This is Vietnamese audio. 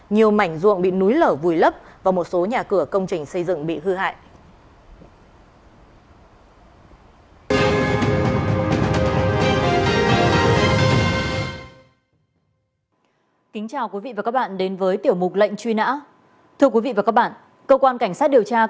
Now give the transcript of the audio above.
nhiều mảnh ruộng bị núi lở vùi lấp và một số nhà cửa công trình xây dựng bị hư hại